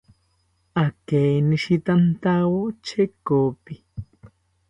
Akeinishitantawo chekopi